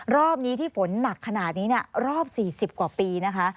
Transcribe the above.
รอบนี้ที่ฝนหนักขนาดนี้รอบ๔๐กว่าปีนะคะ